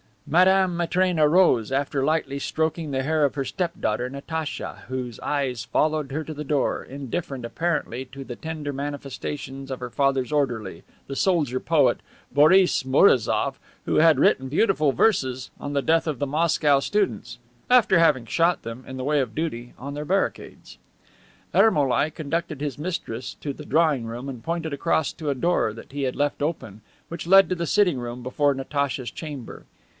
Madame Matrena rose, after lightly stroking the hair of her step daughter Natacha, whose eyes followed her to the door, indifferent apparently to the tender manifestations of her father's orderly, the soldier poet, Boris Mourazoff, who had written beautiful verses on the death of the Moscow students, after having shot them, in the way of duty, on their barricades. Ermolai conducted his mistress to the drawing room and pointed across to a door that he had left open, which led to the sitting room before Natacha's chamber.